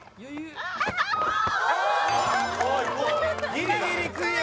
ギリギリクリア！